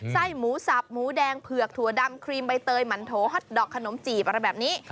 ไส้หมูสับหมูแดงเผือกถั่วดำครีมใบเตยมันโถฮอตดอกขนมจีบอะไรแบบนี้